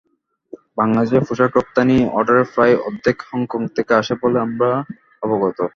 বাংলাদেশের পোশাক রপ্তানি অর্ডারের প্রায় অর্ধেক হংকং থেকে আসে বলে আমরা অবগত।